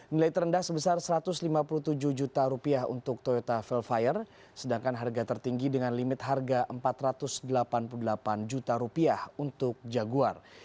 nilai terendah sebesar rp satu ratus lima puluh tujuh juta rupiah untuk toyota velfire sedangkan harga tertinggi dengan limit harga rp empat ratus delapan puluh delapan juta rupiah untuk jaguar